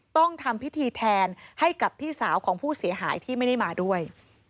ต้องทำพิธีแทนให้กับพี่สาวของผู้เสียหายที่ไม่ได้มาด้วย